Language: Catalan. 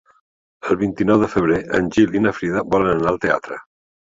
El vint-i-nou de febrer en Gil i na Frida volen anar al teatre.